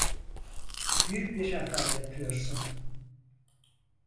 Büyük bir hata yapıyorsun.